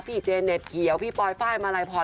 พี่เจนเนธเกียวพี่ปอยฟายมาลายพอร์ต